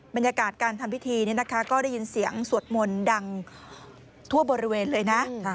บรรยากาศการทำพิธีก็ได้ยินเสียงสวดมนต์ดังทั่วบริเวณเลยนะ